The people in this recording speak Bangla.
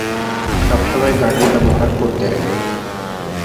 সবসময় গাড়ি ব্যবহার করতেন।